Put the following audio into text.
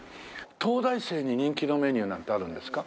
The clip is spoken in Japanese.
東大生に人気のメニューなんてあるんですか？